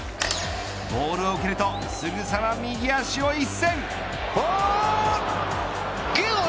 ボールを受けるとすぐさま右足を一閃。